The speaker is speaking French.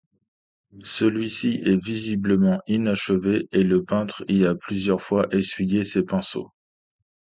Celui-ci est visiblement inachevé et le peintre y a plusieurs fois essuyé ses pinceaux.